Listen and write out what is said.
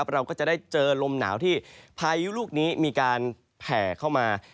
เราก็จะได้เจอลมหนาวที่พายุลูกนี้มีการแผ่เข้ามา